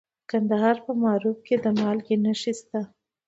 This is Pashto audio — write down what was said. د کندهار په معروف کې د مالګې نښې شته.